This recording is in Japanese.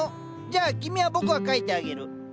じゃあ君は僕が描いてあげる。